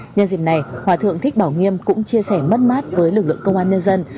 nhân dịp này hòa thượng thích bảo nghiêm cũng chia sẻ mất mát với lực lượng công an nhân dân